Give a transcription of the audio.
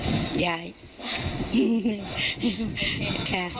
ขอบคุณค่ะขอบคุณค่ะขอบคุณค่ะ